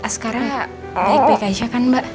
sekarang baik baik aja kan mbak